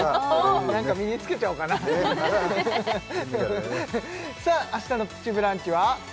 何か身につけちゃおうかなさあ明日の「プチブランチ」は？